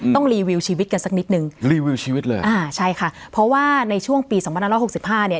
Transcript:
รีวิวชีวิตกันสักนิดนึงรีวิวชีวิตเลยอ่าใช่ค่ะเพราะว่าในช่วงปีสองพันห้าร้อยหกสิบห้าเนี่ย